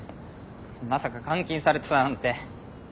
まさか監禁されてたなんて。